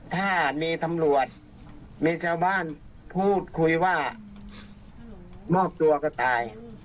ถ้ามีตำรวจมีชาวบ้านพูดคุยว่ามอบตัวก็ตาย